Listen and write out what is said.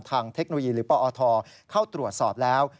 เทคโนโลยีหรือปอทเข้าตรวจสอบแล้ว